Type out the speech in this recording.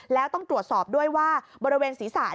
แล้วต้องตรวจสอบด้วยว่าบริเวณศีรษะ